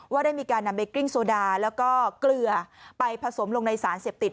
ได้มีการนำเบกริ้งโซดาแล้วก็เกลือไปผสมลงในสารเสพติด